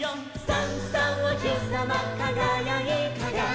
「さんさんおひさまかがやいて」「」